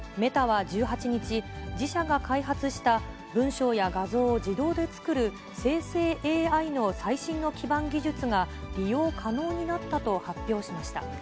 メタは１８日、自社が開発した文章や画像を自動で作る生成ＡＩの最新の基盤技術が、利用可能になったと発表しました。